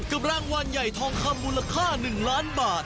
รางวัลใหญ่ทองคำมูลค่า๑ล้านบาท